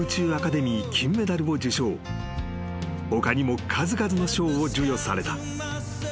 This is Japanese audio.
［他にも数々の賞を授与された］